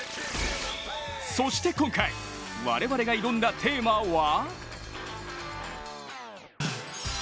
そして今回、我々が挑んだテーマは？